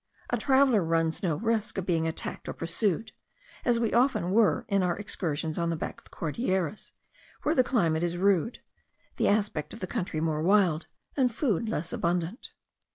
A traveller runs no risk of being attacked or pursued, as we often were in our excursions on the back of the Cordilleras, where the climate is rude, the aspect of the country more wild, and food less abundant.